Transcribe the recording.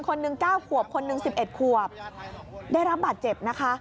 คนหนึ่ง๙ขวบคนหนึ่ง๑๑ขวบได้รับบาดเจ็บนะคะ